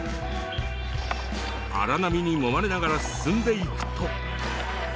荒波にもまれながら進んでいくと。